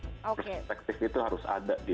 perspektif itu harus ada di pikiran kita